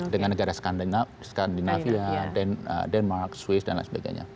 dengan negara skandinavia denmark swiss dan lain sebagainya